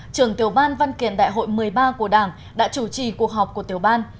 trưởng tiểu ban văn kiện đại hội một mươi ba của đảng đã chủ trì cuộc họp của tiểu ban